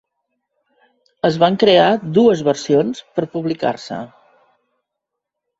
Es van crear dues versions per publicar-se.